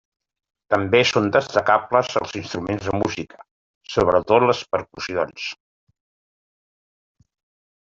També són destacables els instruments de música, sobretot les percussions.